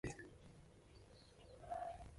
What do you do with yourselves, anyway?